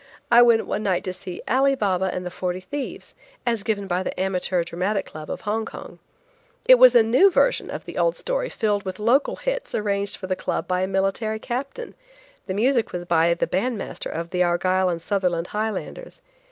I went one night to see "Ali Baba and the Forty Thieves" as given by the Amateur Dramatic Club of Hong Kong. It was a new version of the old story filled with local hits arranged for the club by a military captain; the music was by the band master of the Argyll and Sutherland Highlanders.